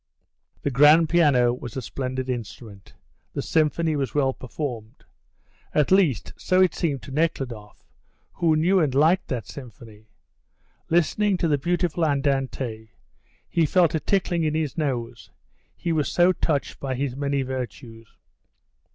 The grand piano was a splendid instrument, the symphony was well performed. At least, so it seemed to Nekhludoff, who knew and liked that symphony. Listening to the beautiful andante, he felt a tickling in his nose, he was so touched by his many virtues.